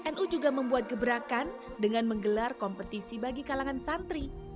nu juga membuat gebrakan dengan menggelar kompetisi bagi kalangan santri